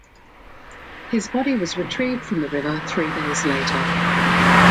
His body was retrieved from the river three days later.